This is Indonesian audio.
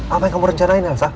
apa yang kamu rencanain elsa